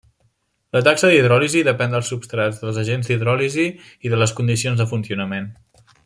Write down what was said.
La taxa d'hidròlisi depèn dels substrats, dels agents d'hidròlisi i de les condicions de funcionament.